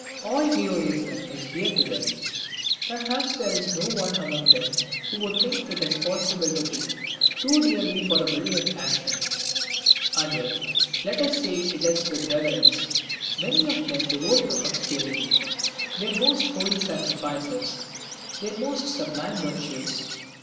All heroism is dear to them. Perhaps there is no one among them who would think it possible to pay too dearly for a brilliant action; and yet, let us say it with reverence, many of them devote to obscurity their most holy sacrifices, their most sublime virtues.